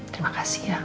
terima kasih ya